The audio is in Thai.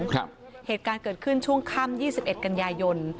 ครับเหตุการณ์เกิดขึ้นช่วงค่ำยี่สิบเอ็ดกัญญายน